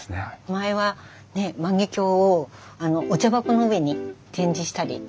前は万華鏡をお茶箱の上に展示したりしてたんですね。